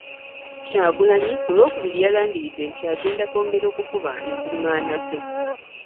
Kyagulanyi ku Lwokubiri yalangiridde nti agenda kwongera okukuba enkungaana ze